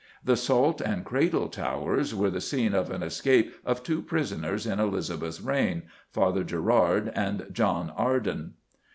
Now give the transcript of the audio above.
The Salt and Cradle Towers were the scene of an escape of two prisoners in Elizabeth's reign Father Gerard and John Arden.